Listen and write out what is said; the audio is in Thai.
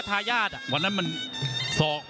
พี่น้องอ่ะพี่น้องอ่ะ